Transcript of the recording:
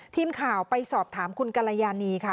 ทีมข่าวไปสอบถามคุณกรยานีค่ะ